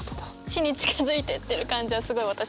死に近づいてってる感じはすごい私もします。